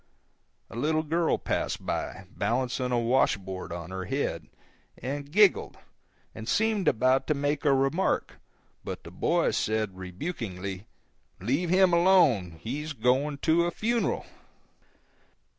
A little girl passed by, balancing a wash board on her head, and giggled, and seemed about to make a remark, but the boy said, rebukingly, "Let him alone, he's going to a funeral."